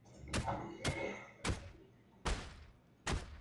Los prisioneros logran escapar, excepto uno: Hank Daughtry.